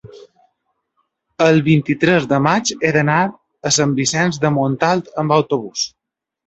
el vint-i-tres de maig he d'anar a Sant Vicenç de Montalt amb autobús.